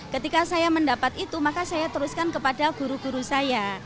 ketika saya mendapat itu maka saya teruskan kepada guru guru saya